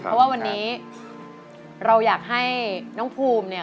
เพราะว่าวันนี้เราอยากให้น้องภูมิเนี่ย